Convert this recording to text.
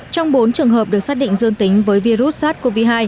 trong bốn trường hợp được xác định dương tính với virus sars cov hai